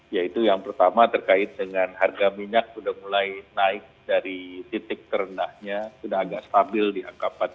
yaitu yang pertama terkait dengan harga minyak sudah mulai naik dari titik terendahnya sudah agak stabil di angka empat puluh